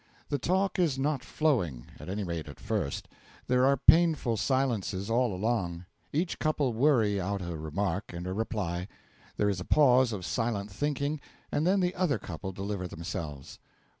The talk is not flowing at any rate at first; there are painful silences all along. Each couple worry out a remark and a reply: there is a pause of silent thinking, and then the other couple deliver themselves.)